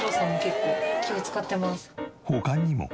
他にも。